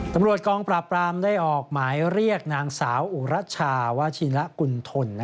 ตำรวจกองปราบปรามได้ออกหมายเรียกนางสาวอุรัชชาวาชิละกุณฑล